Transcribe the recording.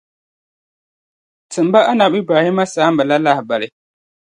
Timi ba Anabi Ibrahima saamba la lahibali.